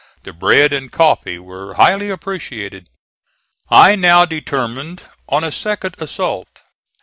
The bread and coffee were highly appreciated. I now determined on a second assault.